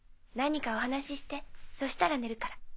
何かお話してそしたら寝るから。